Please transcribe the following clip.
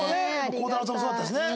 鋼太郎さんもそうだったしね。